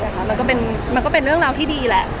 มันก็เป็นเรื่องราวที่ดีแหละ